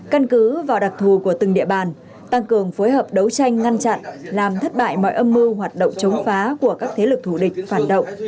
căn cứ vào đặc thù của từng địa bàn tăng cường phối hợp đấu tranh ngăn chặn làm thất bại mọi âm mưu hoạt động chống phá của các thế lực thủ địch phản động